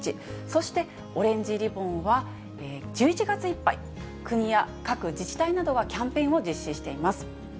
そしてオレンジリボンは１１月いっぱい、国や各自治体などがキャンペーンを実施しています。